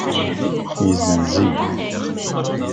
Yezzenz-it.